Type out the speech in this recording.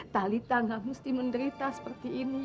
talitha gak mesti menderita seperti ini